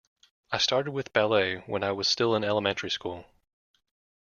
I started with ballet when I was still in elementary school.